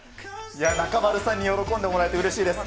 中丸さんに喜んでもらえてうれしいです。